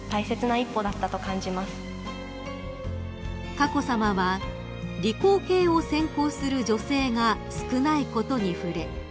［佳子さまは理工系を専攻する女性が少ないことに触れ